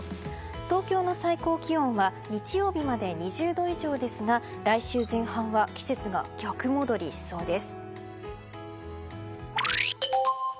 東京の最高気温は日曜日まで２０度以上ですが来週前半は季節が逆戻りしそうです。